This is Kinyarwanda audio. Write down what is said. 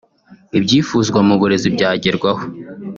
ibyifuzwa mu burezi byagerwaho